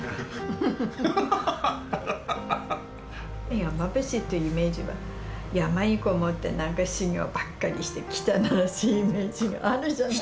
山伏っていうイメージは山に籠もって何か修行ばっかりして汚らしいイメージがあるじゃない。